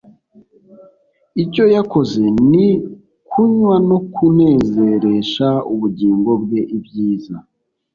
Icyo yakoze ni kunywa no kunezeresha ubugingo bwe ibyiza